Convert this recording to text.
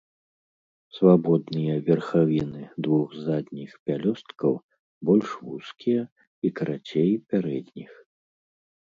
Свабодныя верхавіны двух задніх пялёсткаў больш вузкія і карацей пярэдніх.